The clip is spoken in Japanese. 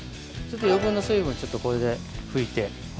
ちょっと余分な水分ちょっとこれで拭いて。